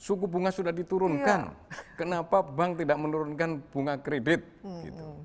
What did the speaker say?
suku bunga sudah diturunkan kenapa bank tidak menurunkan bunga kredit gitu